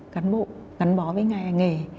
cán bộ cán bó với nghề